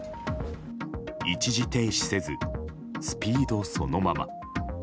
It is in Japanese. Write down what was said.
一時停止せず、スピードそのまま。